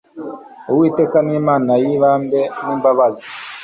Uwiteka n Imana yibambe nimbabazi